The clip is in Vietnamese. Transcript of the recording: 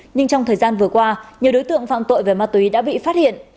nhưng trong thời gian vừa qua nhiều đối tượng phạm tội về ma túy đã bị phát hiện